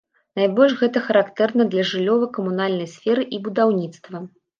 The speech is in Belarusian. Найбольш гэта характэрна для жыллёва-камунальнай сферы і будаўніцтва.